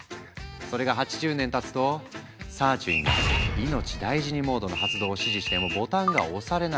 それが８０年たつとサーチュインが「いのちだいじにモード」の発動を指示してもボタンが押されない。